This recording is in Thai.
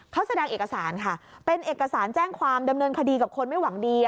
เขาแสดงเอกสารค่ะเป็นเอกสารแจ้งความดำเนินคดีกับคนไม่หวังดี